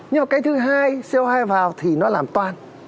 nhưng mà cái thứ hai co hai vào thì nó làm toan